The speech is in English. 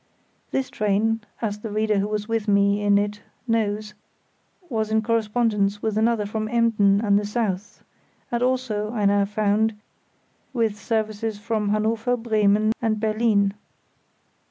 This train, as the reader who was with me in it knows, was in correspondence with another from Emden and the south, and also, I now found, with services from Hanover, Bremen, and Berlin.